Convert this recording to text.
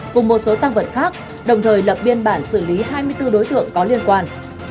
cùng một số tăng vật khác đồng thời lập biên bản xử lý hai mươi bốn đối tượng có liên quan